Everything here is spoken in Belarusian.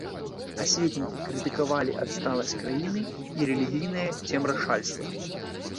Асветнікі крытыкавалі адсталасць краіны і рэлігійнае цемрашальства.